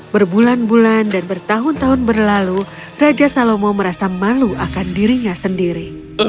berbulan bulan dan bertahun tahun berlalu raja salomo merasa malu akan dirinya sendiri